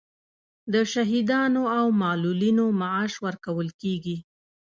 د شهیدانو او معلولینو معاش ورکول کیږي